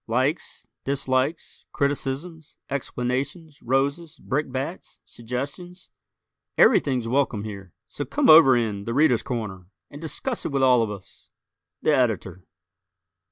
Likes, dislikes, criticisms, explanations, roses, brickbats, suggestions everything's welcome here: so "come over in 'The Readers' Corner'" and discuss it with all of us! _The Editor.